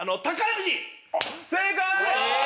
正解！